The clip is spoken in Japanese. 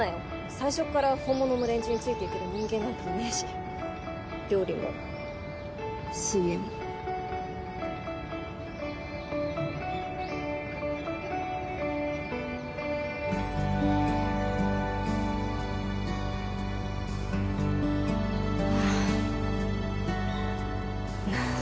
最初っから本物の連中についていける人間なんていねえし料理も水泳もはあなあ